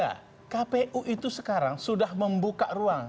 ya kpu itu sekarang sudah membuka ruang